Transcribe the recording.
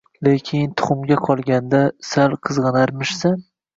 Lekin… tuxumga qolganda, sal qizg‘anarmishsan?